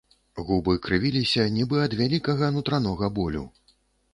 Губы крывіліся, нібы ад вялікага нутранога болю.